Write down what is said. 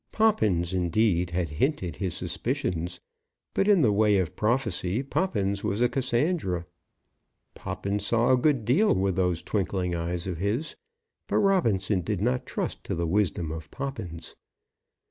Poppins, indeed, had hinted his suspicions, but in the way of prophecy Poppins was a Cassandra. Poppins saw a good deal with those twinkling eyes of his, but Robinson did not trust to the wisdom of Poppins.